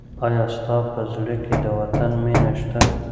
آیا ستا په زړه کې د وطن مینه شته؟